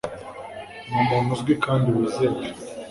numuntu uzwi kandi wizewe.